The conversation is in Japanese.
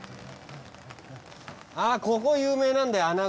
あっここ有名なんだよ